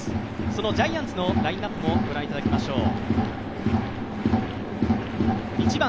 そのジャイアンツのラインナップもご覧いただきましょう。